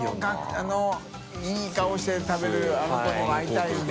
あのいい顔して食べるあの子にも会いたいよね。